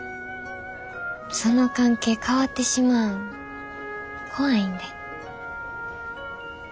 その関係変わってしまうん怖いんで。